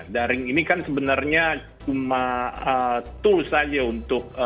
daring ini kan sebenarnya cuma tools saja untuk